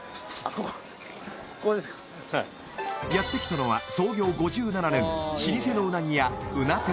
ここここですかやってきたのは創業５７年老舗のうなぎ屋うな鐵